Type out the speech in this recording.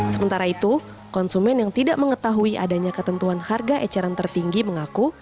sementara itu konsumen yang tidak mengetahui adanya ketentuan harga eceran tertinggi mengaku